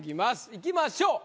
いきましょう。